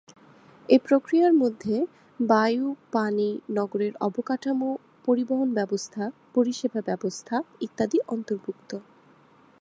এই প্রক্রিয়ার মধ্যে বায়ু, পানি, নগরের অবকাঠামো, পরিবহণ ব্যবস্থা, পরিষেবা ব্যবস্থাপনা ইত্যাদি অন্তর্ভুক্ত।